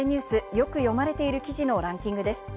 よく読まれている記事のランキングです。